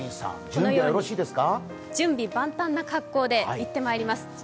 このように準備万端な格好で行ってまいります。